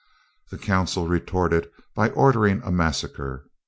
The council retorted by ordering a massacre.